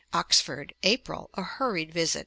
Oxford, April; a hurried visit.